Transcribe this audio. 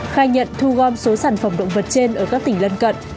khai nhận thu gom số sản phẩm động vật trên ở các tỉnh lân cận